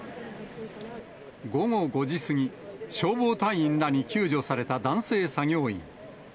午後５時過ぎ、消防隊員らに救助された男性作業員。